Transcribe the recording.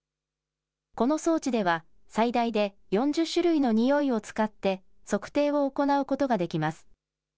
この装置では、最大で４０種類のにおいを使って、測定を行うことができます。